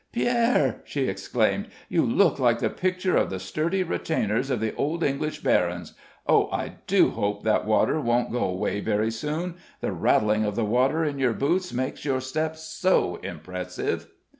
"Pierre," she exclaimed, "you look like the picture of the sturdy retainers of the old English barons. O, I do hope that water won't go away very soon. The rattling of the water in your boots makes your step so impressive."